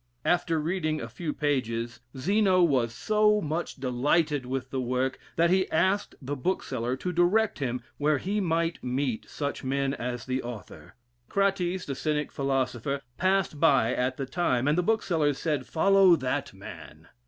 Alter reading a few pages, Zeno was so much delighted with the work, that he asked the bookseller to direct him where he might meet such men as the author? Crates, the Cynic philosopher, passed by at the time, and the bookseller said, "Follow that man!"